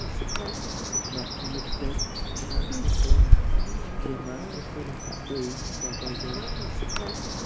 Мэкъумылэр кърашэлӀэж, бжьэматэхэр зыхуей хуагъэзэж.